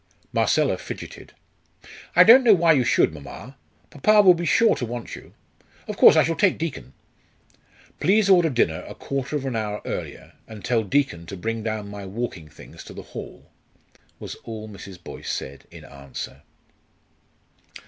Marcella fidgeted. "I don't know why you should, mamma. Papa will be sure to want you. Of course, I shall take Deacon." "Please order dinner a quarter of an hour earlier, and tell Deacon to bring down my walking things to the hall," was all Mrs. Boyce said in answer.